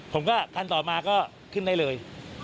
ผมก็คันต่อมาก็ขึ้นได้เลย